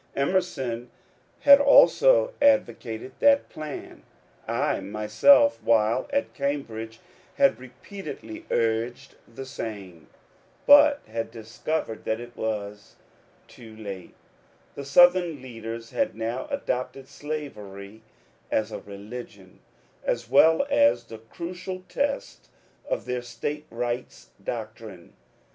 Emer son had also advocated that plan. I myself while at Cam bridge had repeatedly urged the same, but had discovered that it was too late : the Southern leaders had now adopted slavery as a religion, as well as the crucial test of their State rights doctrine.